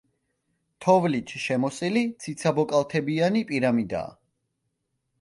თოვლით შემოსილი ციცაბოკალთებიანი პირამიდაა.